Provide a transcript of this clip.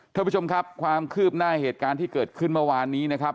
ท่านผู้ชมครับความคืบหน้าเหตุการณ์ที่เกิดขึ้นเมื่อวานนี้นะครับ